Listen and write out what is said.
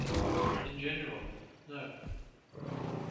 In general, no.